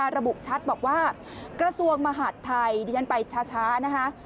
ระบุชัดบอกว่ากระทรวงมหาดไทยดิฉันไปช้านะคะ